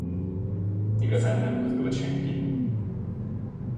Igazán nem mozdult senki.